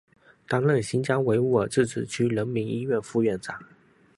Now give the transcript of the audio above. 担任新疆维吾尔自治区人民医院副院长。